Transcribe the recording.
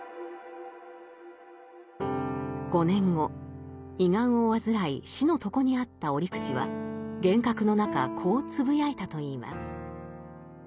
５年後胃がんを患い死の床にあった折口は幻覚の中こうつぶやいたといいます。